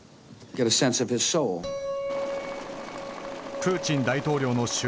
プーチン大統領の就任後